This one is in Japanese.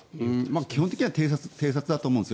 基本的には偵察用だと思うんです。